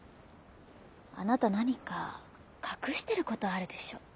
あなた何か隠してることあるでしょ？